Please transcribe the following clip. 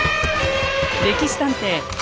「歴史探偵」